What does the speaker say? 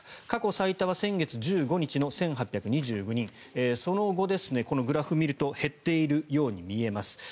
過去最多は先月１５日の１８２９人その後、このグラフを見ると減っているように見えます。